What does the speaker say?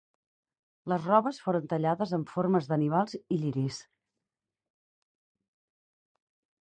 Les robes foren tallades amb formes d'animals i lliris.